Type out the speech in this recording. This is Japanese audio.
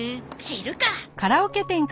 知るか！